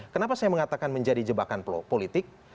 kenapa saya mengatakan menjadi jebakan politik